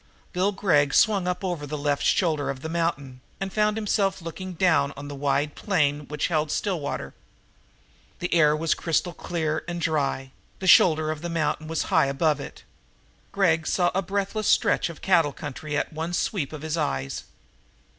Bill Gregg swung up over the left shoulder of the mountain and found himself looking down on the wide plain which held Stillwater. The air was crystal clear and dry; the shoulder of the mountain was high above it; Gregg saw a breathless stretch of the cattle country at one sweep of his eyes.